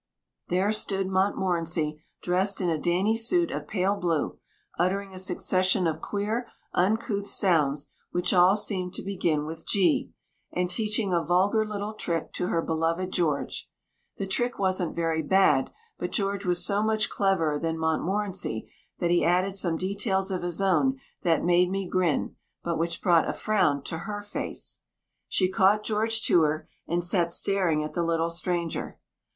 There stood Montmorency, dressed in a dainty suit of pale blue, uttering a succession of queer, uncouth sounds which all seemed to begin with "G," and teaching a vulgar little trick to her beloved George. The trick wasn't very bad, but George was so much cleverer than Montmorency that he added some details of his own, that made me grin, but which brought a frown to her face. She caught George to her, and sat staring at the little stranger.